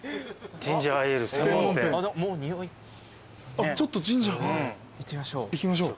あっちょっとジンジャー行きましょう。